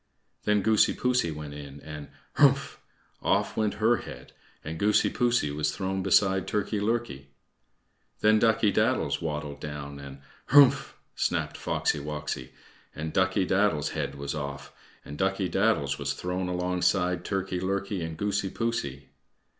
Then Goosey poosey went in, and "Hrumph!" off went her head and Goosey poosey was thrown beside Turkey lurkey. Then Ducky daddles waddled down, and "Hrumph!" snapped Foxy woxy, and Ducky daddles's head was off, and Ducky daddles was thrown alongside Turkey lurkey and Goosey poosey.